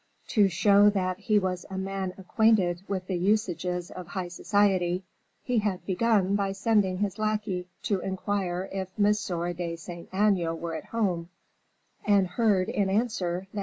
To show that he was a man acquainted with the usages of high society, he had begun by sending his lackey to inquire if Monsieur de Saint Aignan were at home, and heard, in answer, that M.